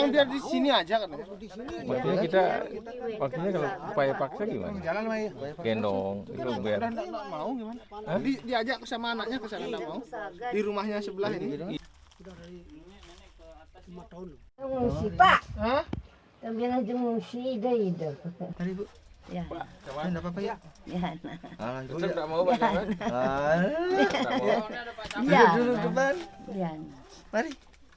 dia ajak sama anaknya ke sana di rumahnya sebelah ini